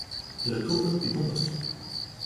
De la tourbe, du compost.